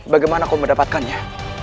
bagaimana kau mendapatkannya